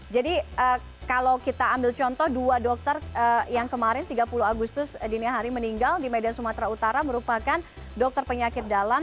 jadi kalau kita ambil contoh dua dokter yang kemarin tiga puluh agustus dinia hari meninggal di medan sumatera utara merupakan dokter penyakit dalam